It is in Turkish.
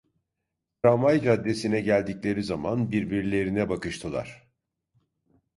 Tramvay caddesine geldikleri zaman birbirlerine bakıştılar.